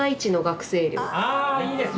あいいですね。